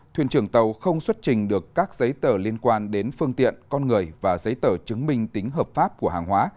thuyền trưởng tàu không xuất trình được các giấy tờ liên quan đến phương tiện con người và giấy tờ chứng minh tính hợp pháp của hàng hóa